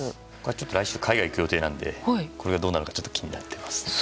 ちょっと来週海外に行く予定なのでこれがどうなるのかちょっと気になっています。